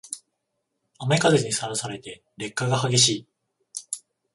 雨風にさらされて劣化が激しい